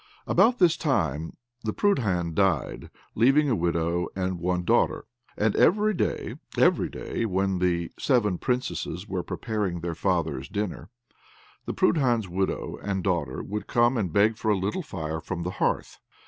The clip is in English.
About this time the Prudhan died, leaving a widow and one daughter; and every day, every day, when the seven Princesses were preparing their father's dinner, the Prudhan's widow and daughter would come and beg for a little fire from the hearth.